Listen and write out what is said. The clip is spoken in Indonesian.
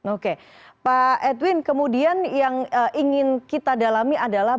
oke pak edwin kemudian yang ingin kita dalami adalah